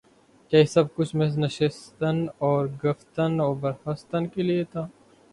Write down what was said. کیا یہ سب کچھ محض نشستن و گفتن و برخاستن کے لیے تھا؟